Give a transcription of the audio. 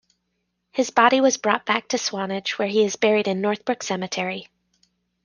His body was brought back to Swanage, where he is buried in Northbrook Cemetery.